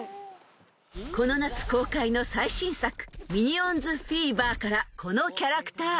［この夏公開の最新作『ミニオンズフィーバー』からこのキャラクター］